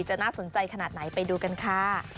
จะน่าสนใจขนาดไหนไปดูกันค่ะ